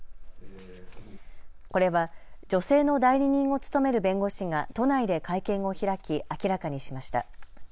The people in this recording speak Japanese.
これは女性の代理人を務める弁護士が都内で会見を開き明らかにしました。